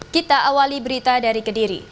kita awali berita dari kediri